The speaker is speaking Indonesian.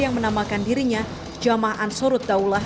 yang menamakan dirinya jemaah ansorut daulah